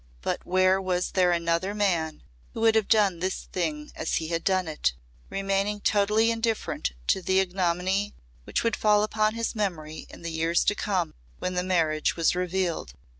But where was there another man who would have done this thing as he had done it remaining totally indifferent to the ignominy which would fall upon his memory in the years to come when the marriage was revealed.